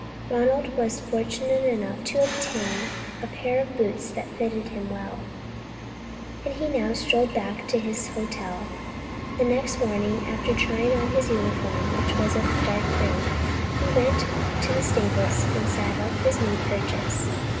Ronald was fortunate enough to obtain a pair of boots that fitted him well, and he now strolled back to his hotel. The next morning, after trying on his uniform, which was of dark green, he went to the stables and saddled his new purchase.